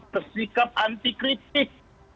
kesikap anti kritik